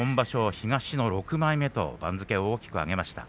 東の６枚目と番付を大きく上げました。